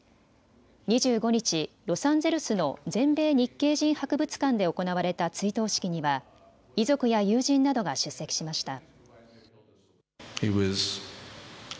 ２５日、ロサンゼルスの全米日系人博物館で行われた追悼式には遺族や友人などが出席しました。